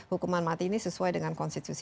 hukuman mati ini sesuai dengan konstitusi